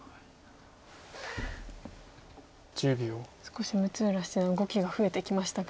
少し六浦七段動きが増えてきましたが。